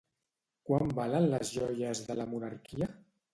Quan valen les joies de la monarquia?